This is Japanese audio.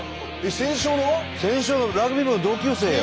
仙商のラグビー部の同級生よ。